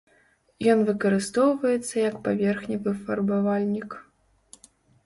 Ён выкарыстоўваецца як паверхневы фарбавальнік.